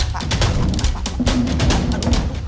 pak pak pak